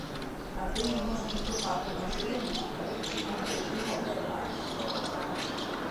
Абы иужь иту къакӀуэ машинэми, триӀуэнтӀыкӀри къэувыӀащ.